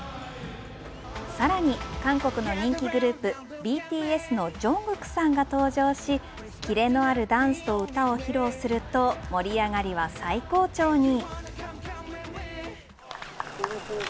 さらに韓国の人気グループＢＴＳのジョングクさんが登場し切れのあるダンスと歌を披露すると盛り上がりは最高潮に。